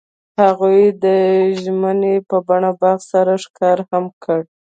هغوی د ژمنې په بڼه باغ سره ښکاره هم کړه.